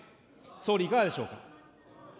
総理、いかがでしょうか。